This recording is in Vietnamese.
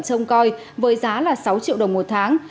trông coi với giá là sáu triệu đồng một tháng